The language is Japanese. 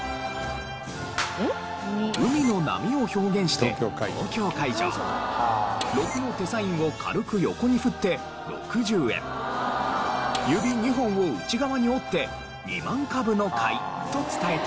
海の波を表現して「東京海上」６の手サインを軽く横に振って「６０円」指２本を内側に折って「２万株の買い」と伝えていました。